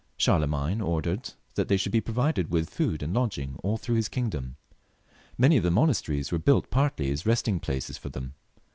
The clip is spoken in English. Charlemagne ordered that they should be provided with food and lodging all through his kingdom ; many of the monasteries were built partly as resting places for them.